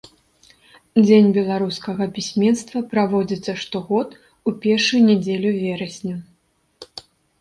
Дзень беларускага пісьменства праводзіцца штогод у першую нядзелю верасня.